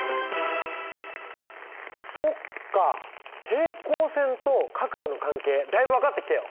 平行線と角度の関係だいぶ分かってきたよ。